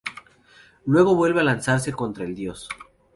Luego vuelve a lanzarse contra el dios.